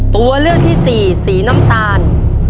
ตัวเลือกที่สี่สีน้ำตาล